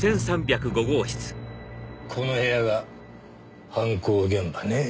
この部屋が犯行現場ねぇ。